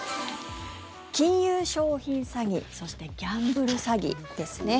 金融商品詐欺そして、ギャンブル詐欺ですね。